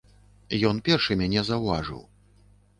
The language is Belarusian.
Ён першы мяне заўважыў.